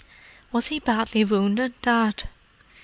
"Was he badly wounded, Dad?"